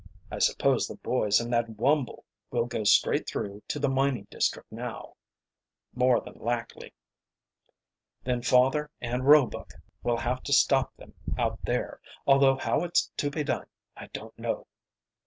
I suppose the boys and that Wumble will go straight through to the mining district now." "More than likely." "Then father and Roebuck will have to stop them out there, although how it's to be done I don't know."